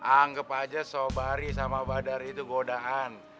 anggep aja sobaryo sama badar itu godaan